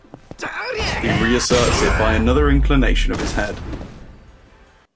He re-asserts it by another inclination of his head.